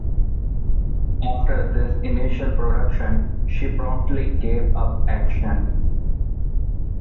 After this initial production she promptly gave up acting.